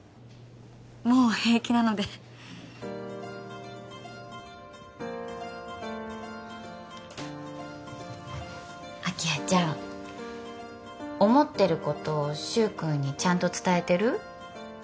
もう平気なので明葉ちゃん思ってること柊くんにちゃんと伝えてる？